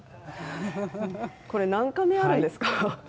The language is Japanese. これ、何カメあるんですか？